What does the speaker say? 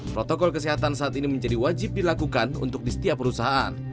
protokol kesehatan saat ini menjadi wajib dilakukan untuk di setiap perusahaan